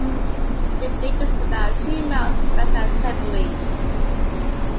The village is about two miles west of Tetbury.